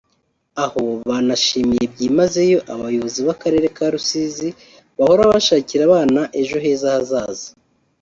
aho banashimiye byimazeyo abayobozi b’Akarere ka Rusizi bahora bashakira abana ejo heza hazaza